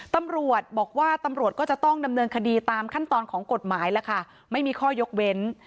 ตำรวจบอกว่าตำรวจก็จะต้องดำเนินคดีตามขั้นตอนของกฎหมายแล้วค่ะไม่มีข้อยกเว้น